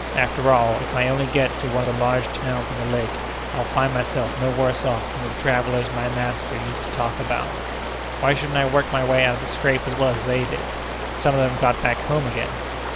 After all, if I only get to one of the large towns on the lake, I'll find myself no worse off than the travellers my master used to talk about. Why shouldn't I work my way out of the scrape as well as they did? Some of them got back home again.